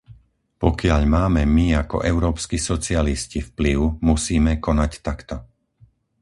Pokiaľ máme my ako európski socialisti vplyv, musíme konať takto.